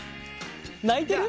泣いてる？